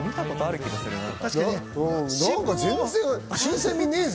何か全然新鮮味ねえぞ？